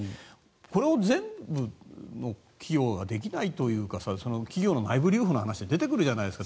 これを全企業ができないのか、というか企業の内部留保の話って出てくるじゃないですか。